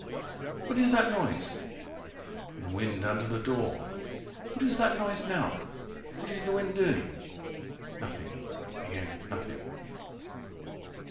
"What is that noise?" The wind under the door. "What is that noise now? What is the wind doing?" Nothing again nothing.